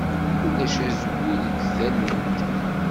Ulac azwu deg tallunt.